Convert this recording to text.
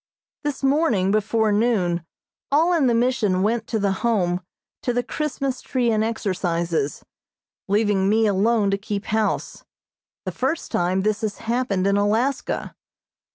This morning, before noon, all in the Mission went to the Home to the Christmas tree and exercises, leaving me alone to keep house, the first time this has happened in Alaska.